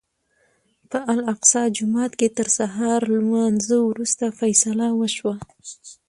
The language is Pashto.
په الاقصی جومات کې تر سهار لمانځه وروسته فیصله وشوه.